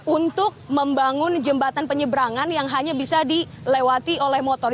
untuk membangun jembatan penyeberangan yang hanya bisa dilewati oleh motor